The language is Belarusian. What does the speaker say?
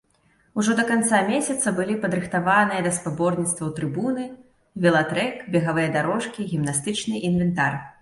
Ужо да канца месяца былі падрыхтаваныя да спаборніцтваў трыбуны, велатрэк, бегавыя дарожкі, гімнастычны інвентар.